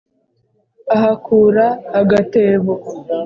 ahakura agatebo,